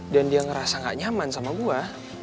dan dia ngerasa gak nyaman sama gue